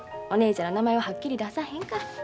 お姉ちゃんの名前ははっきり出さへんから。